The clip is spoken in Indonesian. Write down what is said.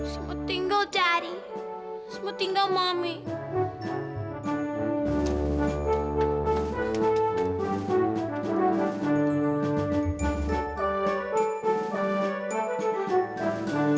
semua tinggal daddy semua tinggal mommy